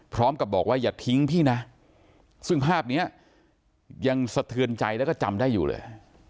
พร้อมกับบอกว่าอย่าทิ้งพี่นะซึ่งภาพนี้ยังสะเทือนใจแล้วก็จำได้อยู่เลย